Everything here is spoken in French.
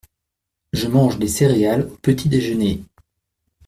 Je mange des céréales au petit déjeuner.